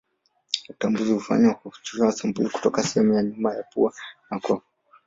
Utambuzi hufanywa kwa kuchukua sampuli kutoka kwa sehemu ya nyuma ya pua na koo.